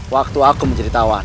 waktu aku menjadi tanganmu